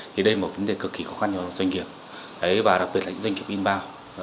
thì đây là một vấn đề cực kỳ khó khăn cho doanh nghiệp và đặc biệt là doanh nghiệp inbound